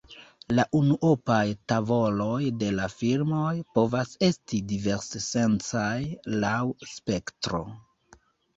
La unuopaj tavoloj de la filmoj povas esti divers-sensaj laŭ spektro.